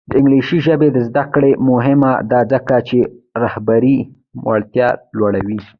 د انګلیسي ژبې زده کړه مهمه ده ځکه چې رهبري وړتیا لوړوي.